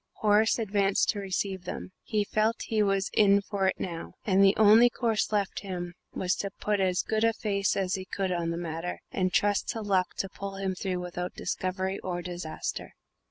Horace advanced to receive them; he felt he was in for it now, and the only course left him was to put as good a face as he could on the matter, and trust to luck to pull him through without discovery or disaster.